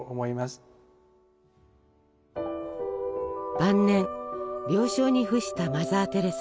晩年病床に伏したマザー・テレサ。